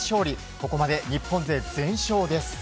ここまで日本勢全勝です。